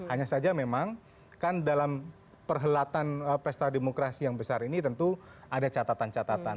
hanya saja memang kan dalam perhelatan pesta demokrasi yang besar ini tentu ada catatan catatan